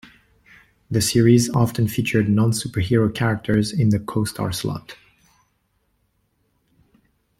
The series often featured non-superhero characters in the co-star slot.